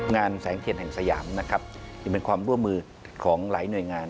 งานแสงเทียนแห่งสยามเป็นความร่วมมือของหลายหน่วยงาน